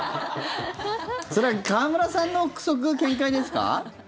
それは河村さんの臆測見解ですか？